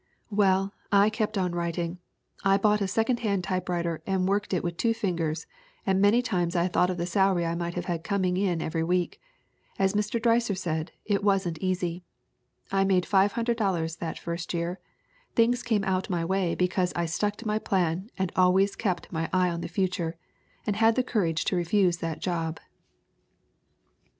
"Well, I kept on writing. I bought a second hand typewriter and worked it with two fingers and many times I thought of the salary I might have had coming in every week. As Mr. Dreiser said, it wasn't easy. I made $500 that first year. Things came out my way because I stuck to my plan and always kept my eye on the future and had the courage to refuse that job."